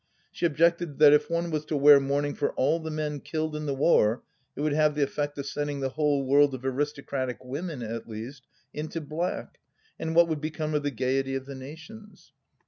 She objected that if one was to wear mourning for all the men killed in the war, it would have the effect of sending the whole world of aristocratic women, at least, into black, and what would become of the gaiety of the nations